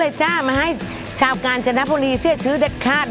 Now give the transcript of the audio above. ลองดูครับประเทศเป็นยังไงบ้างครับไม่ได้ร้องอย่างเดียวน่ะวันนี้เล่นไปด้วย